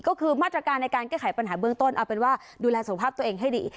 ก็คือมาตรการในการแก้ไขปัญหาเบื้องต้นเอาเป็นว่าดูแลสุขภาพตัวเองให้ดี